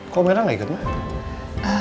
kok mirna gak ikut ma